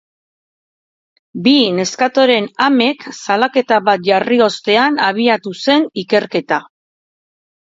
Bi neskatoren amek salaketa bat jarri ostean abiatu zen ikerketa.